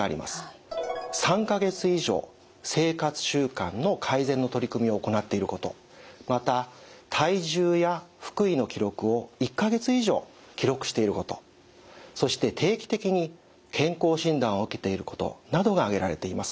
３か月以上生活習慣の改善の取り組みを行っていることまた体重や腹囲の記録を１か月以上記録していることそして定期的に健康診断を受けていることなどが挙げられています。